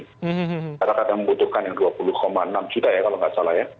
masyarakat yang membutuhkan yang dua puluh enam juta ya kalau tidak salah ya